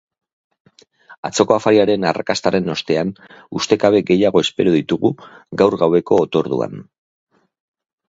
Atzoko afariaren arrakastaren ostean, ustekabe gehiago espero ditugu gaur gaueko otorduan.